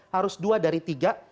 harus dua dari tiga